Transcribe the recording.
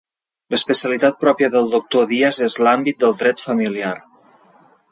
L'especialitat pròpia del doctor Dias és l'àmbit del dret familiar.